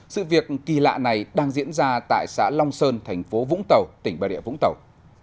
sự việc kỳ lạ này đang diễn ra tại xã long sơn thành phố vũng tàu tỉnh bà địa vũng tàu